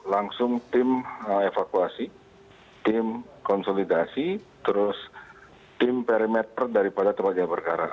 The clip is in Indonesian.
langsung tim evakuasi tim konsolidasi terus tim perimeter daripada terbagi bergarang